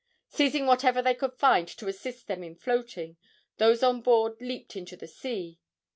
Seizing whatever they could find to assist them in floating, those on board leaped into the sea.